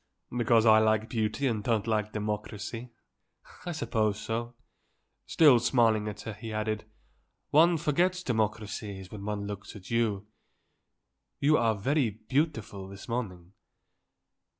"Because I like beauty and don't like democracy. I suppose so." Still smiling at her he added, "One forgets democracies when one looks at you. You are very beautiful this morning."